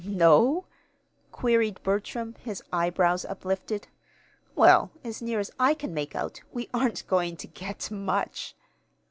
"No?" queried Bertram, his eyebrows uplifted. "Well, as near as I can make out we aren't going to get much."